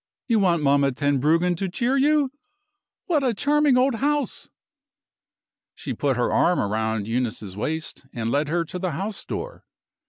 You want Mamma Tenbruggen to cheer you. What a charming old house!" She put her arm round Eunice's waist and led her to the house door.